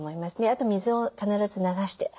あと水を必ず流して。